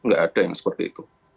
nggak ada yang seperti itu